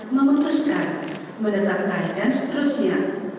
mengutuskan menetapkan dan seterusnya